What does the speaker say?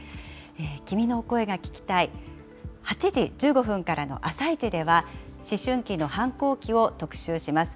君の声が聴きたい、８時１５分からのあさイチでは、思春期の反抗期を特集します。